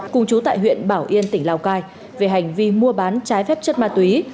cùng chú tại huyện bảo yên tỉnh lào cai về hành vi mua bán trái phép chất ma túy